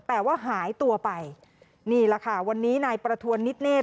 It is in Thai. แต่ว่าหายตัวไปนี่แหละค่ะวันนี้นายประทวนนิดเนธ